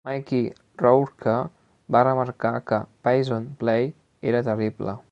Mickey Rourke va remarcar que "Passion play" era terrible.